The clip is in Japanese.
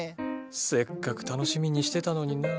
せっかく楽しみにしてたのにな。